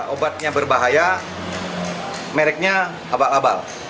obatnya berbahaya mereknya abal abal